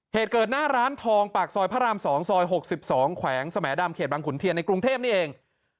พรราม๒ซอย๖๒แขวงสมดามเขตบางขุนเทียนในกรุงเทพนี่เอง